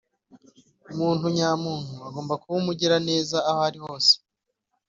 umuntu nyamuntu agomba kuba umugiraneza aho ari hose.